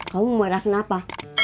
kamu marah kenapa